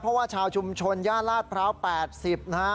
เพราะว่าชาวชุมชนย่านลาดพร้าว๘๐นะฮะ